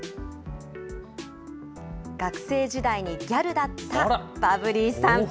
学生時代にギャルだったバブリーさん。